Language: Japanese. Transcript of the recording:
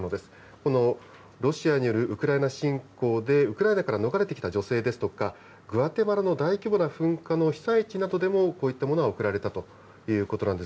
このロシアによるウクライナ侵攻で、ウクライナから逃れてきた女性ですとか、グアテマラの大規模な噴火の被災地などでも、こういったものが送られたということなんです。